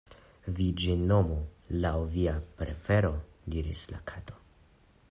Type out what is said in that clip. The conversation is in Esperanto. "Vi ĝin nomu laŭ via prefero," diris la Kato.